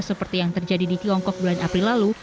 seperti yang terjadi di tiongkok bulan april lalu